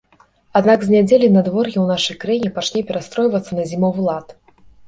Аднак з нядзелі надвор'е ў нашай краіне пачне перастройвацца на зімовы лад.